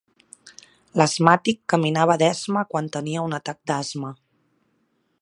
L'asmàtic caminava d'esma quan tenia un atac d'asma